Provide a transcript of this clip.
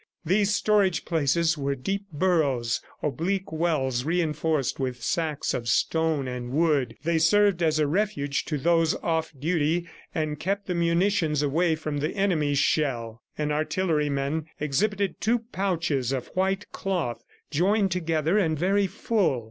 These storage places were deep burrows, oblique wells reinforced with sacks of stones and wood. They served as a refuge to those off duty, and kept the munitions away from the enemy's shell. An artilleryman exhibited two pouches of white cloth, joined together and very full.